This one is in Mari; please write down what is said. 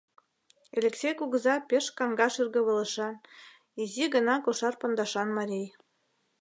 Элексей кугыза пеш каҥга шӱргывылышан, изи гына кошар пондашан марий.